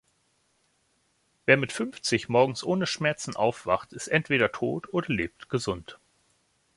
Wer mit fünfzig morgens ohne Schmerzen aufwacht ist entweder tot oder lebt gesund.